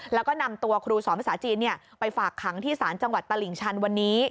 แล้วก็นำตัวครูสอนภาษาจีนไปฝากขังที่ศาลจังหวัดตลิ่งชันวันนี้